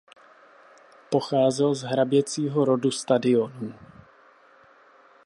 Pocházel z hraběcího rodu Stadionů.